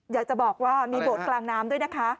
อยากจะบอกว่ามีโบสถ์กลางน้ำด้วยนะคะ